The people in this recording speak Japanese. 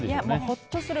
ほっとする。